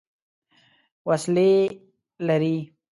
وسلې لري.